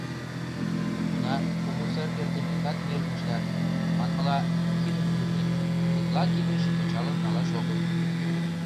Уна, кугу сар эртымекат мирым ыштат, манмыла, кидым кӱрлыт: тетла кидыш пычалым налаш огыл.